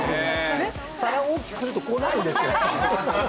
ねっ皿を大きくするとこうなるんですよ。